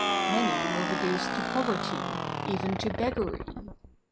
Many were reduced to poverty, even to beggary.